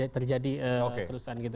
terjadi kerusuhan gitu